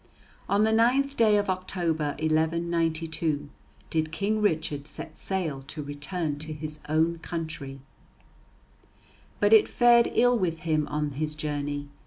On the 9th day of October, 1192, did King Richard set sail to return to his own country. But it fared ill with him on his journey.